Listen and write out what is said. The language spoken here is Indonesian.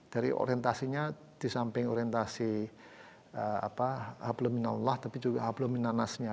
dari orientasinya di samping orientasi hapluminaullah tapi juga haplumina nasnya